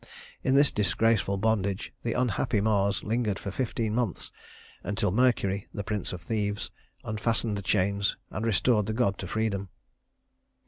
In this disgraceful bondage the unhappy Mars lingered for fifteen months until Mercury, the prince of thieves, unfastened the chains and restored the god to freedom.